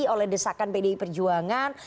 oleh desakan pdi perjuangan